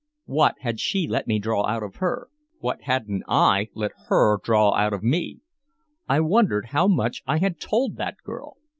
What had she let me draw out of her? What hadn't I let her draw out of me? I wondered how much I had told that girl.